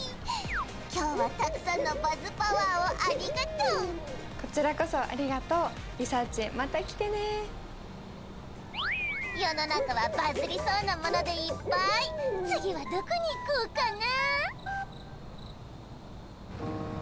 今日はたくさんのバズパワーをありがとうこちらこそありがとうリサーちんまた来てね世の中はバズりそうなものでいっぱい次はどこに行こうかな？